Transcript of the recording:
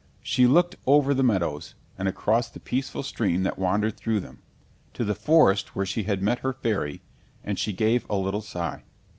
She looked over the meadows, and across the peaceful stream that wandered through them, to the forest where she had met her fairy, and she gave a little sigh.